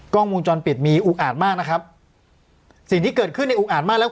กล้องวงจรปิดมีอุกอาจมากนะครับสิ่งที่เกิดขึ้นในอุกอาจมากแล้ว